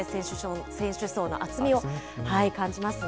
選手層の厚みを感じますね。